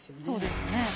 そうですね。